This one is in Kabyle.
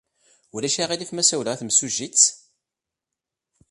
Ulac aɣilif ma ssawleɣ d timsujjit?